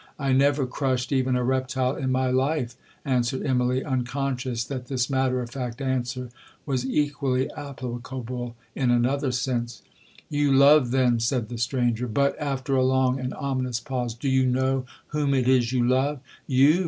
'—'I never crushed even a reptile in my life,' answered Immalee, unconscious that this matter of fact answer was equally applicable in another sense. 'You love, then,' said the stranger; 'but,' after a long and ominous pause, 'do you know whom it is you love?'—'You!'